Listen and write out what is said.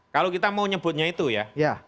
kalau kita mau nyebutnya itu ya